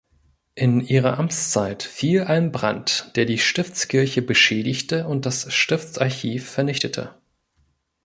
In ihre Amtszeit fiel ein Brand, der die Stiftskirche beschädigte und das Stiftsarchiv vernichtete.